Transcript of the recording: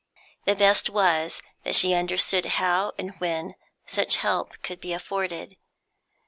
The best was that she understood how and when such help could be afforded.